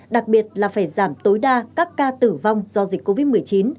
đặc biệt là phải giảm tối đa các ca tử vong do dịch covid một mươi chín